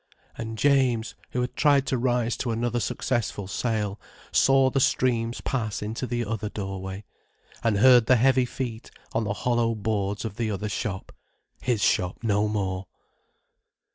And James, who had tried to rise to another successful sale, saw the streams pass into the other doorway, and heard the heavy feet on the hollow boards of the other shop: his shop no more.